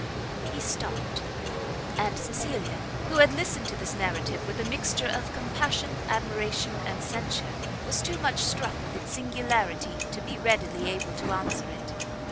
He stopt; and Cecilia, who had listened to this narrative with a mixture of compassion, admiration and censure, was too much struck with its singularity to be readily able to answer it.